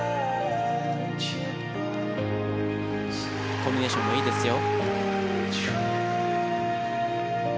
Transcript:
コンビネーションもいいですよ。